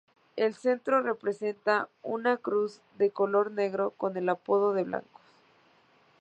El centro representa una cruz de color negro, con el apoyo de blancos.